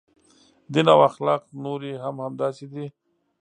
دین او اخلاق نورې هم همداسې دي.